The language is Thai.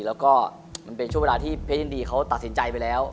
แล้วก็มันเป็นช่วงเวลาที่เพชรยินดีเขาตัดสินใจไปแล้ว